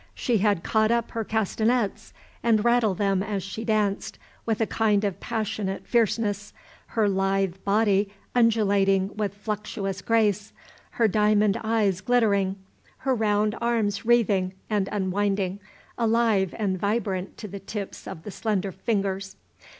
She had caught up her castanets, and rattled them as she danced with a kind of passionate fierceness, her lithe body undulating with flexuous grace, her diamond eyes glittering, her round arms wreathing and unwinding, alive and vibrant to the tips of the slender fingers.